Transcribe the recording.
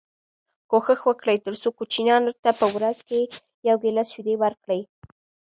کوښښ وکړئ تر څو کوچنیانو ته په ورځ کي یو ګیلاس شیدې ورکړی